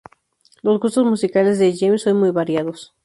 Los gustos musicales de James son muy variados.